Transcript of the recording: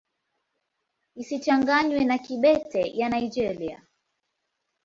Isichanganywe na Kibete ya Nigeria.